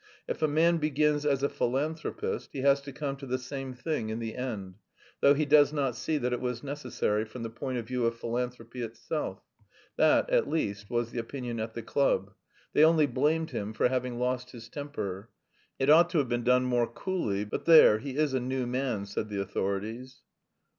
"If a man begins as a philanthropist he has to come to the same thing in the end, though he does not see that it was necessary from the point of view of philanthropy itself" that, at least, was the opinion at the club. They only blamed him for having lost his temper. "It ought to have been done more coolly, but there, he is a new man," said the authorities.